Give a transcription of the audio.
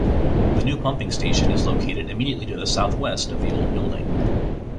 The new pumping station is located immediately to the southwest of the old building.